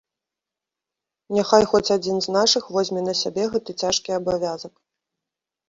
Няхай хоць адзін з нашых возьме на сябе гэты цяжкі абавязак.